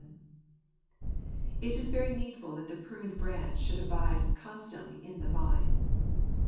n). It is very needful that the pruned branch should abide constantly in the vine